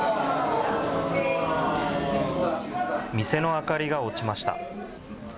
店の明かりが落ちました。